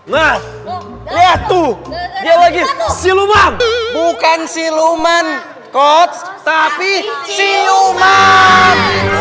mas lihat tuh dia lagi siluman bukan siluman kots tapi siluman